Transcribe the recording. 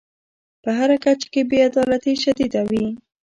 په هر کچه چې بې عدالتي شدیده وي.